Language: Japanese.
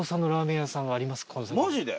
マジで？